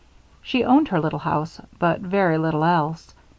She owned her little home, but very little else.